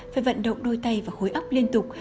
phải vận động đôi tay và khối óc liên tục